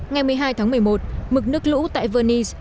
ngày một mươi hai tháng một mươi một mực nước lũ tại venice